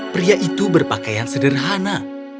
pria itu berpakaian sederhana